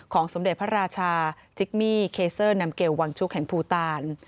สมเด็จพระราชาจิกมี่เคเซอร์นำเกลวังชุกแห่งภูตาล